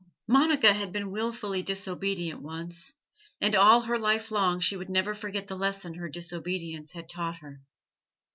Monica had been wilfully disobedient once, and all her life long she would never forget the lesson her disobedience had taught her.